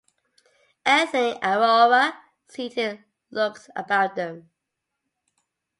Anthony and Aurora, seated, looked about them.